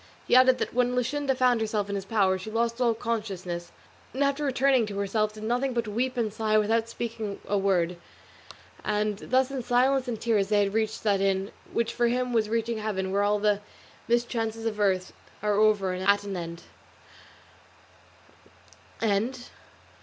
He added that when Luscinda found herself in his power she lost all consciousness, and after returning to herself did nothing but weep and sigh without speaking a word; and thus in silence and tears they reached that inn, which for him was reaching heaven where all the mischances of earth are over and at an end.